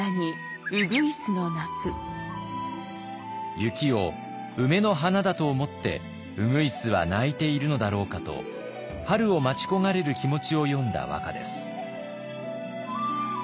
雪を梅の花だと思って鶯は鳴いているのだろうかと春を待ち焦がれる気持ちを詠んだ和歌です。